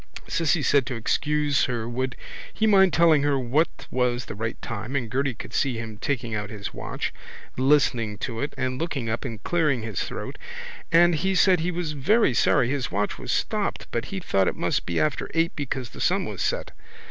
Cissy said to excuse her would he mind please telling her what was the right time and Gerty could see him taking out his watch, listening to it and looking up and clearing his throat and he said he was very sorry his watch was stopped but he thought it must be after eight because the sun was set.